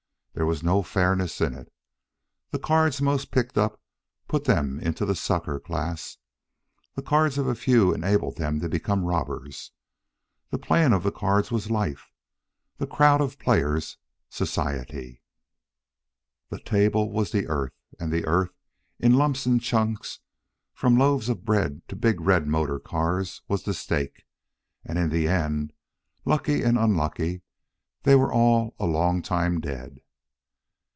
There was no fairness in it. The cards most picked up put them into the sucker class; the cards of a few enabled them to become robbers. The playing of the cards was life the crowd of players, society. The table was the earth, and the earth, in lumps and chunks, from loaves of bread to big red motor cars, was the stake. And in the end, lucky and unlucky, they were all a long time dead.